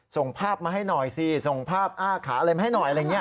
ส่งภาพมาให้หน่อยสิส่งภาพอ้าขาอะไรมาให้หน่อย